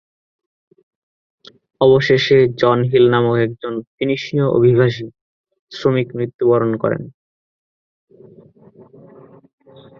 অবশেষে, 'John Hill' নামক একজন ফিনিশিয় অভিবাসী শ্রমিক মৃত্যুবরণ করেন।